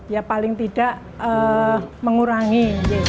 ya paling tidak mengurangi